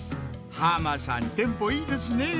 浜さんテンポいいですねぇ！